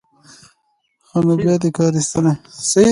ښه نو بیا دې کار ایستلی.